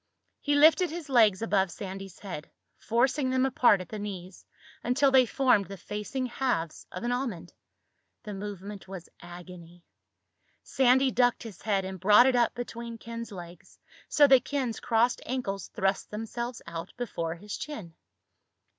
He lifted his legs above Sandy's head, forcing them apart at the knees until they formed the facing halves of a diamond. The movement was agony. Sandy ducked his head and brought it up between Ken's legs, so that Ken's crossed ankles thrust themselves out before his chin.